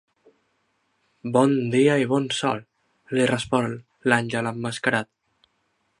Bon dia i bon sol —li respon l'àngel emmascarat.